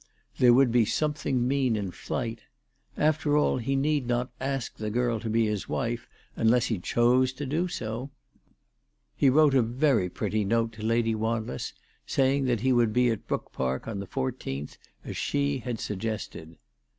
There would be something mean in flight. After all, he need not ask the girl to be his wife unless he chose to do so. 368 ALICE DUGDALE. He wrote a very pretty note to Lady Wanless saying that lie would be at Brook Park on the 14th, as she had suggested.